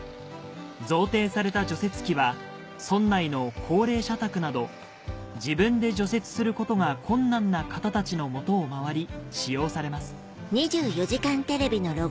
贈呈された除雪機は村内の高齢者宅など自分で除雪することが困難な方たちの元を回り使用されます